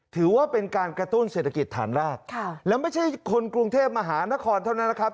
ถือว่าเป็นการกระตุ้นเศรษฐกิจฐานรากแล้วไม่ใช่คนกรุงเทพมหานครเท่านั้นนะครับ